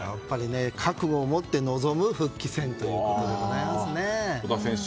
覚悟を持って臨む復帰戦ということでございますね。